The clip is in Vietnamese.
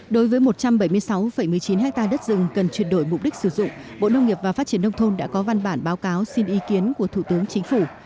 đối với một trăm bảy mươi sáu một mươi chín ha đất rừng cần chuyển đổi mục đích sử dụng bộ nông nghiệp và phát triển nông thôn đã có văn bản báo cáo xin ý kiến của thủ tướng chính phủ